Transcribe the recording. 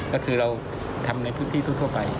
ก็คือเราทำในพื้นที่ทั่วไป